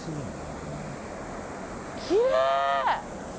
きれい！